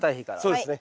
そうですね。